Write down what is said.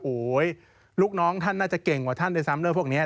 โอ้โหลูกน้องท่านน่าจะเก่งกว่าท่านด้วยซ้ำเรื่องพวกนี้